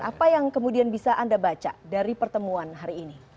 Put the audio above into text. apa yang kemudian bisa anda baca dari pertemuan hari ini